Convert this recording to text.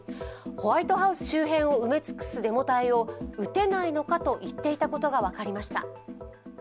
ホワイトハウス周辺を埋め尽くすデモ隊を撃てないのかと言っていたことが分かりました。